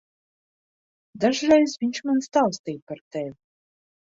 Dažreiz viņš man stāstīja par tevi.